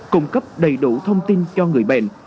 cung cấp đầy đủ thông tin cho người bệnh